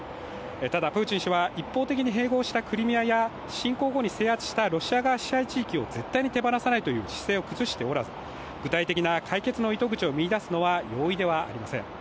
ただ、プーチン氏は一方的に併合したクリミアや侵攻後に制圧したロシア側支配地域を絶対に手放さないという姿勢を崩しておらず具体的な解決の糸口を見いだすのは容易ではありません。